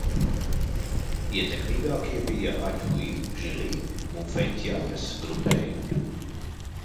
Ietekmīgākie bija Aņhui, Žili un Feņtjaņas grupējumi.